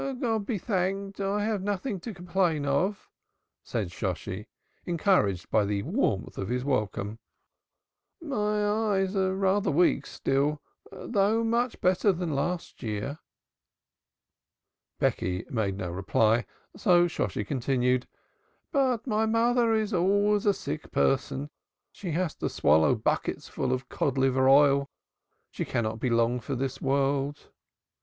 "God be thanked, I have nothing to complain of," said Shosshi, encouraged by the warmth of his welcome. "My eyes are rather weak, still, though much better than last year." Becky made no reply, so Shosshi continued: "But my mother is always a sick person. She has to swallow bucketsful of cod liver oil. She cannot be long for this world."